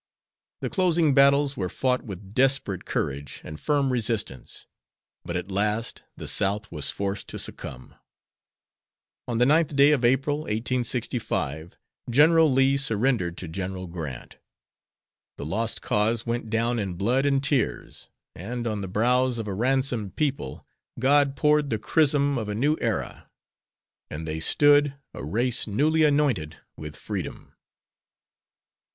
The closing battles were fought with desperate courage and firm resistance, but at last the South was forced to succumb. On the ninth day of April, 1865, General Lee surrendered to General Grant. The lost cause went down in blood and tears, and on the brows of a ransomed people God poured the chrism of a new era, and they stood a race newly anointed with freedom.